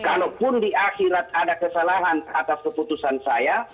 kalaupun di akhirat ada kesalahan atas keputusan saya